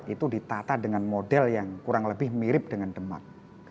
itu ditata dengan model yang kurang lebih mirip dengan demak